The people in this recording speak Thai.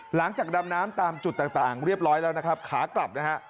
ดำน้ำตามจุดต่างเรียบร้อยแล้วนะครับขากลับนะฮะ